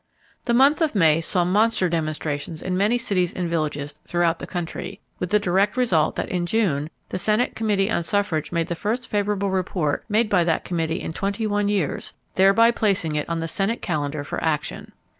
The month of May saw monster demonstrations in many cities and villages throughout the country, with the direct result that in June the Senate Committee on Suffrage made the first favorable report made by that committee in twenty one years, thereby placing it on the Senate calendar for action.